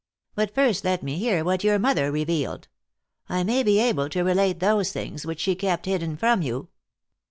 But first let me hear what your mother revealed. I may be able to relate those things which she kept hidden from you."